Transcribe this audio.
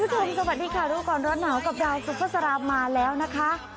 คุณผู้ชมสวัสดีค่ะลูกร้อนร้อนหนาวกับดาวสุฟะสรามมาแล้วนะคะ